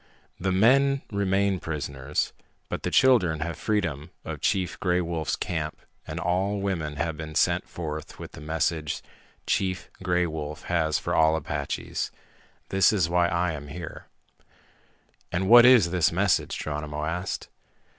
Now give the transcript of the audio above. "The men remain prisoners. But the children have freedom of Chief Gray Wolf's camp and all women have been sent forth with the message Chief Gray Wolf has for all Apaches. That is why I am here." "And what is this message?" Geronimo asked.